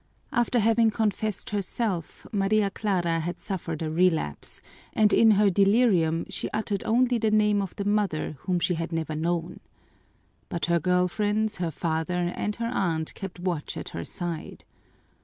After having confessed herself, Maria Clara had suffered a relapse, and in her delirium she uttered only the name of the mother whom she had never known. But her girl friends, her father, and her aunt kept watch at her side.